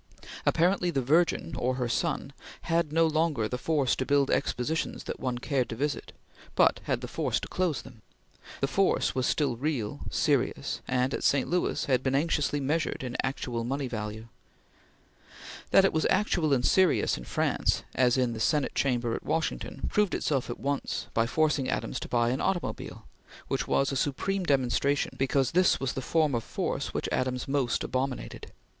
Apparently the Virgin or her Son had no longer the force to build expositions that one cared to visit, but had the force to close them. The force was still real, serious, and, at St. Louis, had been anxiously measured in actual money value. That it was actual and serious in France as in the Senate Chamber at Washington, proved itself at once by forcing Adams to buy an automobile, which was a supreme demonstration because this was the form of force which Adams most abominated.